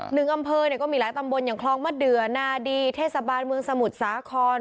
หนึ่งอำเภอเนี่ยก็มีหลายตำบลอย่างคลองมะเดือนาดีเทศบาลเมืองสมุทรสาคร